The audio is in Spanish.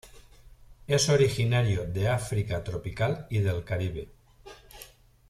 Es originario de África tropical y del Caribe.